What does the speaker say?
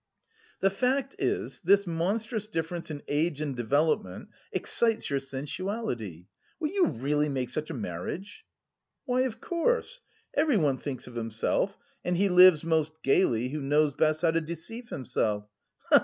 "The fact is this monstrous difference in age and development excites your sensuality! Will you really make such a marriage?" "Why, of course. Everyone thinks of himself, and he lives most gaily who knows best how to deceive himself.